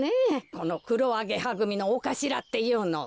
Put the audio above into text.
このくろアゲハぐみのおかしらっていうのは。